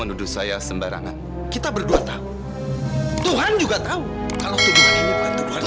yang duduk saya sembarangan kita berdua tahu tuhan juga tahu kalau itu